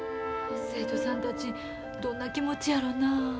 生徒さんたちどんな気持ちやろな。